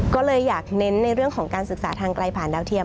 ก็เลยอยากเน้นในเรื่องของการศึกษาทางไกลผ่านดาวเทียม